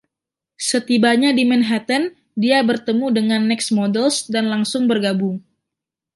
Setibanya di Manhattan, dia bertemu dengan Next Models, dan langsung bergabung.